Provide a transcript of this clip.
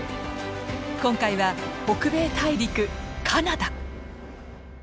今回は北米大陸カナダ！